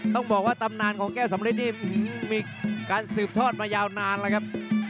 ต้องบอกว่าตำนานของแก้วสำริดนี่มีการสืบทอดมายาวนานแล้วครับ